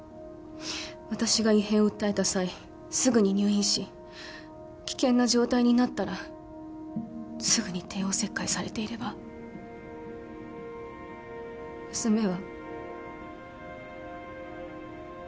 私が異変を訴えた際すぐに入院し危険な状態になったらすぐに帝王切開されていれば娘は。